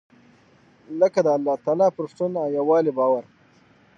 لکه د الله تعالٰی پر شتون او يووالي باور .